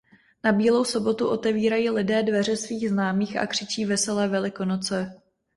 Na Bílou sobotu otevírají lidé dveře svých známých a křičí „Veselé Velikonoce“.